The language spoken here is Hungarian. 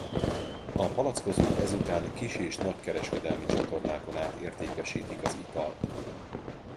A palackozók ezután kis- és nagykereskedelmi csatornákon át értékesítik az italt.